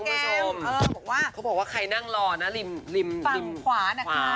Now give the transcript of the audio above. เขาบอกว่าใครนั่งรอนะฝั่งขวานะคะ